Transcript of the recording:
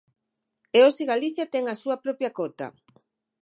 E hoxe Galicia ten a súa propia cota.